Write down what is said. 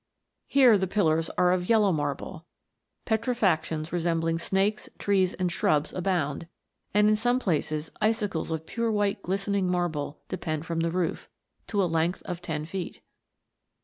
Here the pillars are of yellow marble; petrifactions resembling snakes, trees, and shrubs abound; and in some places icicles of pure white glistening marble depend from the roof, to a length of ten feet.